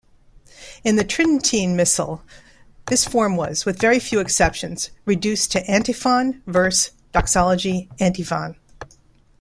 In the Tridentine Missal, this form was, with very few exceptions, reduced to antiphon-verse-doxology-antiphon.